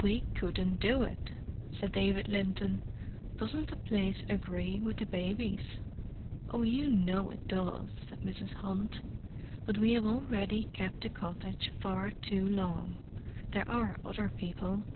"We couldn't do it," said David Linton. "Doesn't the place agree with the babies?" "Oh, you know it does," said Mrs. Hunt. "But we have already kept the cottage far too long—there are other people."